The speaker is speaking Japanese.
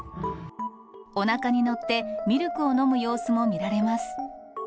おなかに乗って、ミルクを飲む様子も見られます。